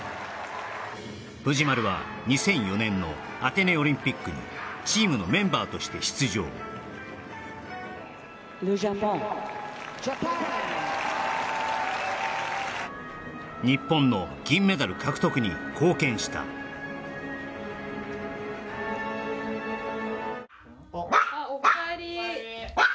藤丸は２００４年のアテネオリンピックにチームのメンバーとして出場ｌｅＪａｐｏｎＪａｐａｎ日本の銀メダル獲得に貢献したあっおかえり・おかえり